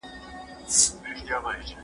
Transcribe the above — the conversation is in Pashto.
هم به مور هم به عالم درنه راضي وي